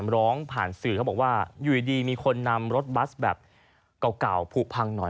ร้องผ่านสื่อเขาบอกว่าอยู่ดีมีคนนำรถบัสแบบเก่าผูกพังหน่อย